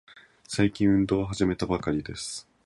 最近、運動を始めたばかりです。